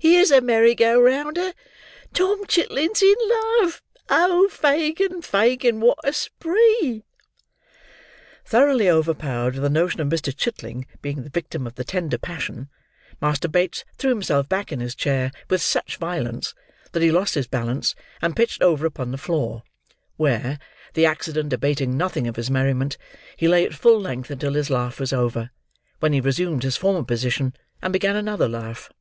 here's a merry go rounder! Tommy Chitling's in love! Oh, Fagin, Fagin! what a spree!" Thoroughly overpowered with the notion of Mr. Chitling being the victim of the tender passion, Master Bates threw himself back in his chair with such violence, that he lost his balance, and pitched over upon the floor; where (the accident abating nothing of his merriment) he lay at full length until his laugh was over, when he resumed his former position, and began another laugh.